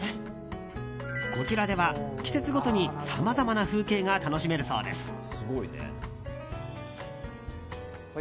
こちらでは季節ごとにさまざまな風景が楽しめるそうです。